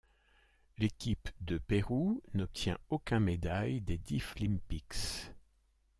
L'équipe de Pérou n'obtient aucun médaille des Deaflympics.